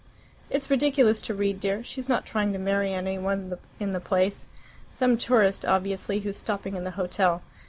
"It's ridiculous to read, dear. She's not trying to marry any one in the place. Some tourist, obviously, who's stopping in the hotel.